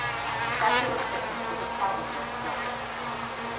Theft of equipment was a problem during filming.